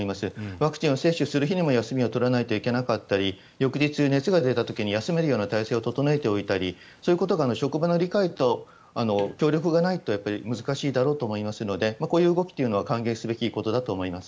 ワクチンを接種する日にも休みを取らないといけなかったり翌日、熱が出た時に休めるような体制を整えておいたりそういう職場の理解と協力がないと難しいだろうと思いますのでこういう動きは歓迎すべきことだと思います。